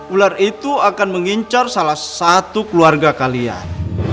ular itu akan mengincar salah satu keluarga kalian